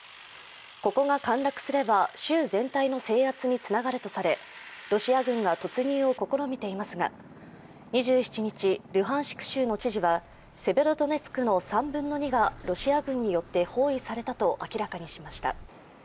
ここが陥落すれば州全体の制圧につながるとされロシア軍が突入を試みていますが２７日、ルハンシク州の知事は、セベロドネツクの３分の２がロシア軍によって包囲されたと明らかにしました。